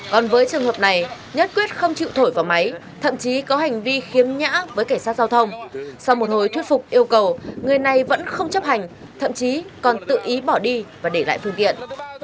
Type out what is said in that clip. còn với trường hợp này nhất quyết không chịu thổi vào máy thậm chí có hành vi khiếm nhã với cảnh sát giao thông sau một hồi thuyết phục yêu cầu người này vẫn không chấp hành thậm chí còn tự ý bỏ đi và để lại phương tiện